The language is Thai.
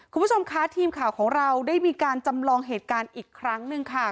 คุณผู้ชมคะทีมข่าวของเราได้มีการจำลองเหตุการณ์อีกครั้งหนึ่งค่ะ